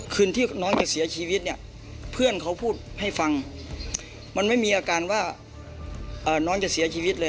คืนที่น้องจะเสียชีวิตเนี่ยเพื่อนเขาพูดให้ฟังมันไม่มีอาการว่าน้องจะเสียชีวิตเลย